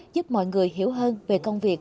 giúp mọi người hiểu hơn về công việc